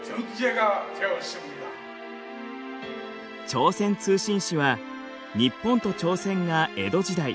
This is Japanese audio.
朝鮮通信使は日本と朝鮮が江戸時代